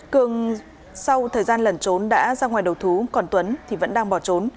cường sau thời gian lẩn trốn đã ra ngoài đầu thú còn tuấn thì vẫn đang bỏ trốn